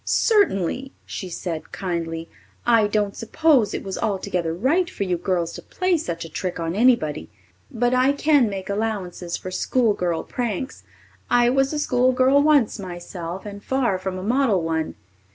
"Certainly," she said kindly. "I don't suppose it was altogether right for you girls to play such a trick on anybody. But I can make allowances for schoolgirl pranks. I was a school girl once myself, and far from a model one.